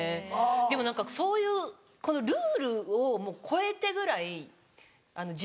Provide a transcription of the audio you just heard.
でも何かそういうルールをもう超えてぐらい自分の。